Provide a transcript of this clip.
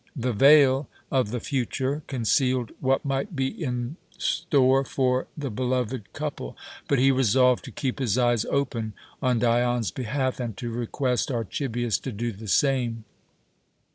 The veil of the future concealed what might be in store for the beloved couple; but he resolved to keep his eyes open on Dion's behalf and to request Archibius to do the same.